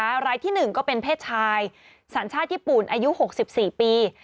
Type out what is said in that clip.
และรายที่หนึ่งก็เป็นเพศชายสรรชาติญี่ปุ่นอายุ๖๔ปี